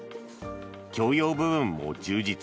共用部分も充実。